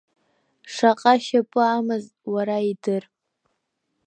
Шаҟа шьапы амаз уара идыр!